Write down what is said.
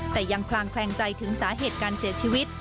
แต่ยังคลางแคลงใจถึงสาเหตุการเสียชีวิต